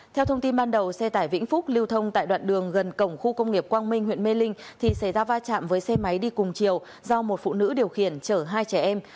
theo thông tin ban đầu xe tải vĩnh phúc lưu thông tại đoạn đường gần cổng khu công nghiệp quang minh huyện mê linh thì xảy ra va chạm với xe máy đi cùng chiều do một phụ nữ điều khiển chở hai trẻ em